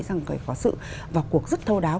rằng có sự và cuộc rất thâu đáo